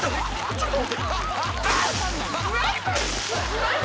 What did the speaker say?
ちょっと待って。